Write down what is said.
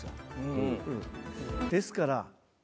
ですから。